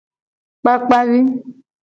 Kpakpa vi.